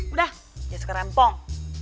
udah dia suka rempong